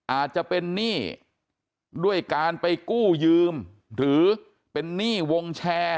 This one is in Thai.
อาจจะเป็นหนี้ด้วยการไปกู้ยืมหรือเป็นหนี้วงแชร์